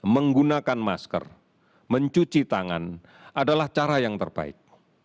menggunakan masker mencuci tangan adalah cara yang terbaik